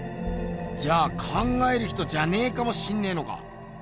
じゃあ「考える人」じゃねえかもしんねえのか。